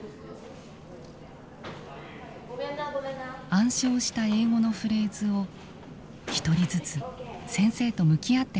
暗唱した英語のフレーズを１人ずつ先生と向き合って話します。